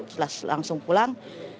setelah langsung pulang